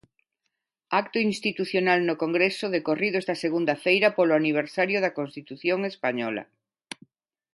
Acto institucional no Congreso decorrido esta segunda feira polo aniversario da Constitución española.